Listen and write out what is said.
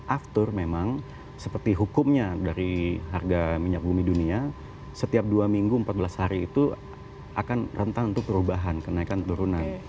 aftur memang seperti hukumnya dari harga minyak bumi dunia setiap dua minggu empat belas hari itu akan rentan untuk perubahan kenaikan turunan